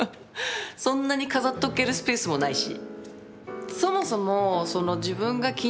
そんなに飾っとけるスペースもないし。